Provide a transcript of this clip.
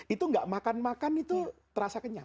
itu nggak makan makan itu terasa kenyang